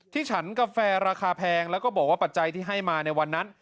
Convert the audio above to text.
ฉันกาแฟราคาแพงแล้วก็บอกว่าปัจจัยที่ให้มาในวันนั้น